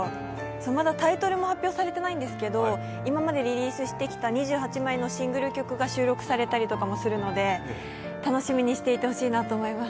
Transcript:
まだタイトルも発表されていないんですけど、今までリリースしてきた２８枚のシングル曲が収録されたりとかもするので楽しみにしていてほしいと思います。